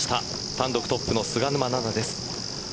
単独トップの菅沼菜々です。